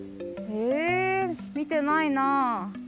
えみてないなあ。